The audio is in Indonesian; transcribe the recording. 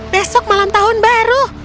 besok malam tahun baru